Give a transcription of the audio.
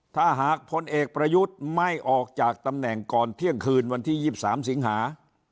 ถ้าหากพลเอกประยุทธ์ไม่ออกจากตำแหน่งก่อนเที่ยงคืนวันที่๒๓สิงหา